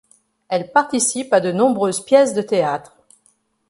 Elle participe à de nombreuses pièces de théâtre.